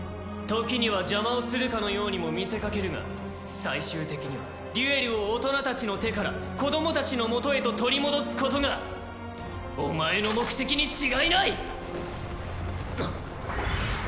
ときには邪魔をするかのようにも見せかけるが最終的にはデュエルを大人たちの手から子どもたちのもとへと取り戻すことがお前の目的に違いない！